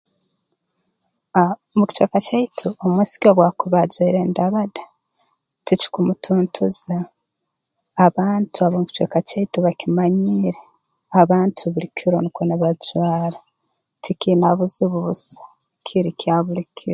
Ah mu kicweka kyaitu omwisiki obu akuba ajwaire endabada tikikumutuntuza abantu ab'omu kicweka kyaitu bakimanyiire abantu buli kiro nukwo nibajwara tikiina buzibu busa kiri kya buli kiro